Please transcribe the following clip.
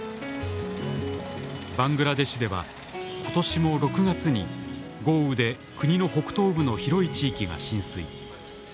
バングラデシュでは今年も６月に豪雨で国の北東部の広い地域が浸水。